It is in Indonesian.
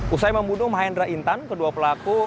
usai membunuh mahendra intan kedua pelaku